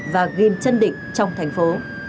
và ghim chân định trong thành phố